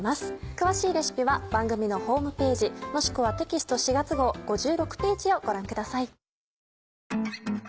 詳しいレシピは番組のホームページもしくはテキスト４月号５６ページをご覧ください。